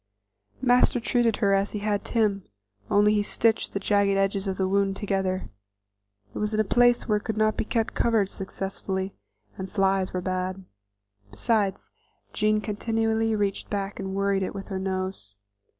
Master treated her as he had Tim, only he stitched the jagged edges of the wound together. It was in a place where it could not be kept covered successfully, and flies were bad; besides Jean continually reached back and worried it with her nose.